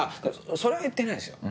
それは言ってないですよ。